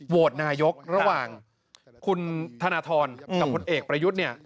โหวตนายกระหว่างคุณธนทรและผลเอกประยุทธ์